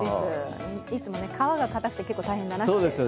いつも皮が硬くて結構大変だなと。